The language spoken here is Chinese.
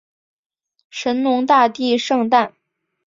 神农大帝圣诞